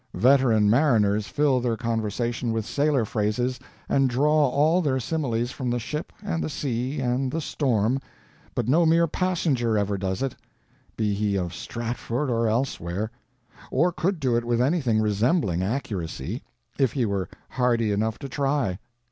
Veteran mariners fill their conversation with sailor phrases and draw all their similes from the ship and the sea and the storm, but no mere passenger ever does it, be he of Stratford or elsewhere; or could do it with anything resembling accuracy, if he were hardy enough to try.